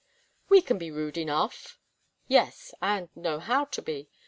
"We can be rude enough." "Yes, and know how to be.